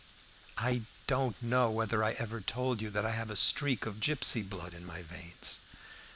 I don't know whether I ever told you that I have a streak of gipsy blood in my veins.